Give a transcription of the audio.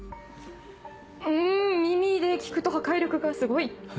ん耳で聞くと破壊力がすごい。